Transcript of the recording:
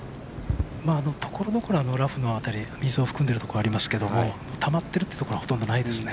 ところどころラフの辺り、水を含んでいるところはありますけどたまってるというところはほとんどないですね。